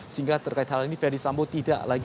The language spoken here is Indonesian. sehingga terkait hal ini verdi sambo tidak lagi